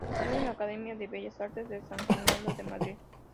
Estudió en la Academia de Bellas Artes de San Fernando de Madrid.